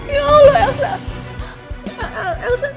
ya allah elsa